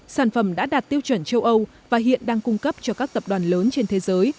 sản phẩm đã đạt tiêu chuẩn châu âu và hiện đang cung cấp cho các tập đoàn lớn trên thế giới